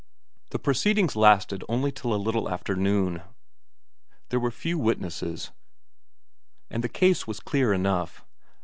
The proceedings lasted only till a little over noon; there were few witnesses, and the case was clear enough.